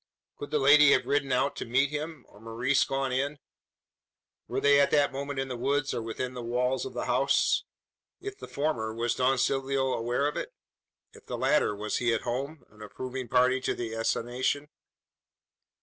Could the lady have ridden out to meet him, or Maurice gone in? Were they at that moment in the woods, or within the walls of the house? If the former, was Don Silvio aware of it? If the latter, was he at home an approving party to the assignation?